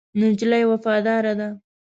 نجلۍ وفاداره ده.